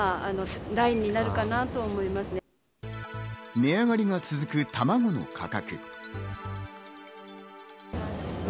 値上がりが続く卵の価格。